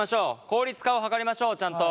効率化を図りましょうちゃんと。